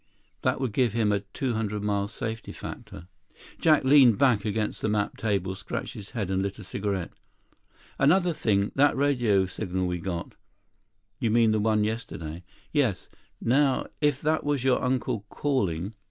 That would give him a 200 mile safety factor." Jack leaned back against the map table, scratched his head, and lit a cigarette. "Another thing ... that radio signal we got." "You mean the one yesterday?" "Yes. Now if that was your uncle calling...."